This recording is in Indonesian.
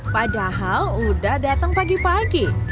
padahal udah datang pagi pagi